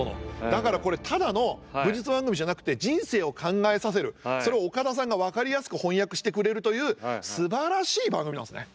だからこれただの武術番組じゃなくて人生を考えさせるそれを岡田さんが分かりやすく翻訳してくれるというすばらしい番組なんですね。